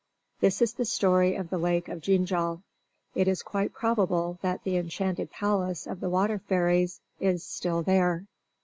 This is the story of the Lake of Ginjal. It is quite probable that the enchanted palace of the water fairies is still there.